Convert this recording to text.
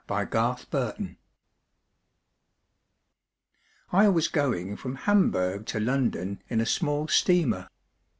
ON THE SEA I WAS going from Hamburg to London in a small steamer.